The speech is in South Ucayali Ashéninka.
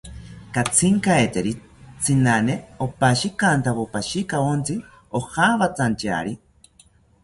Katzinkaeteri tsinani opashikantawo pashikawontzi ojawatanchari